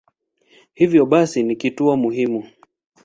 Hivyo basi ni kituo muhimu.